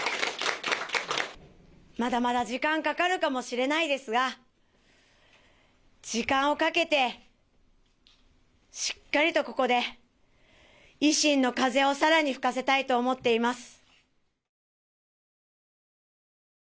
まだまだ時間がかかるかもしれないですが、時間をかけて、しっかりとここで維新の風をさらに吹かせたいと思っています。